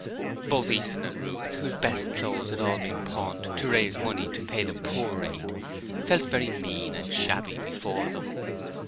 Both Easton and Ruth whose best clothes had all been pawned to raise the money to pay the poor rate felt very mean and shabby before them.